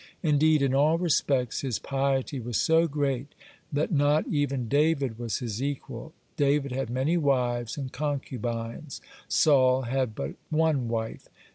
(79) Indeed, in all respects his piety was so great that not even David was his equal: David had many wives and concubines; Saul had but on wife.